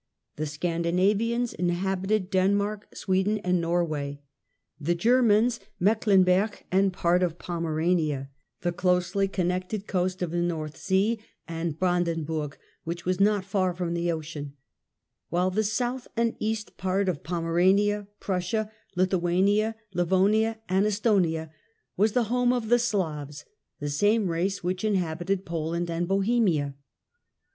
The Scandinavians coasts inhabited Denmark, Sweden and Norway ; the Germans Mecklenberg and part of Pomerania, the closely con 226 228 THE END OF THE MIDDLE AGE nected coast of the North Sea and Brandenburg, which was not far from the ocean ; while the South and East, part of Pomerania, Prussia, Lithuania, Livonia and Es thonia was the home of the Slavs, the same race which inhabited Poland and Bohemia.